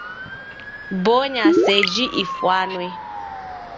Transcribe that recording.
Bonya seji Iw'ifwane